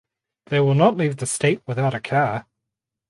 They will not leave the state without a car